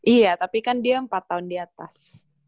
iya tapi kan dia empat tahun di atas